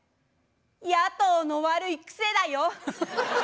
野党の悪い癖だよ！